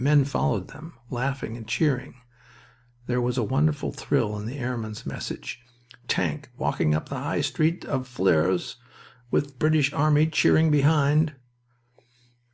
Men followed them, laughing and cheering. There was a wonderful thrill in the airman's message, "Tank walking up the High Street of Flers with the British army cheering behind."